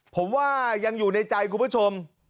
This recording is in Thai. ผมว่ายังอยู่ในใจคุณผู้ชม